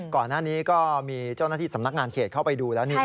ก่อนหน้านี้ก็มีเจ้านาธิตสำนักงานเขตเข้าไปดูแล้วที่นี้นะ